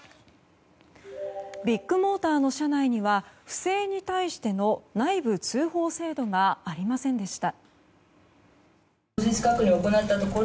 ビッグモーターの社内には不正に対しての内部通報制度がありませんでした。